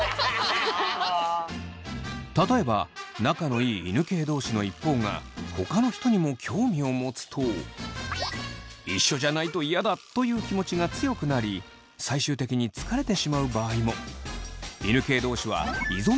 例えば仲のいい犬系同士の一方がほかの人にも興味を持つと一緒じゃないとイヤだという気持ちが強くなり最終的に疲れてしまう場合も。